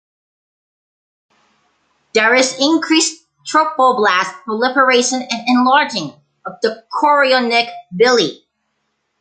There is increased trophoblast proliferation and enlarging of the chorionic villi.